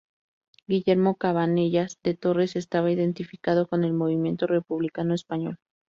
Guillermo Cabanellas de Torres estaba identificado con el movimiento republicano español.